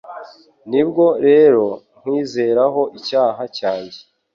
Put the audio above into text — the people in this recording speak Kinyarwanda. Ni bwo rero nkwirezeho icyaha cyanjye